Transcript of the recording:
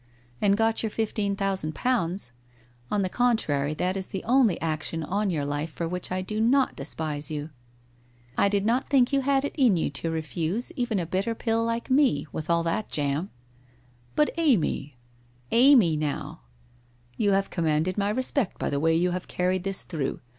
' And got your fifteen thousand pounds ! On the con trary that is the only action on your life for which I do not despise you. I did not think you had it in you to refuse even a bitter pill like me, with all that jam !' 'But, Amy '* Amy, now !'' You have commanded my respect by the way you have carried this through.